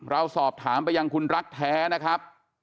เราสอบถามไปยังคุณรักแท้นะครับ